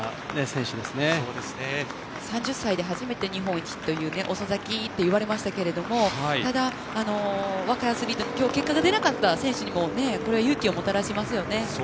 ３０歳で初めて日本一と遅咲きと言われましたけどもただ今日結果が出なかった選手にも勇気をもたらしますね。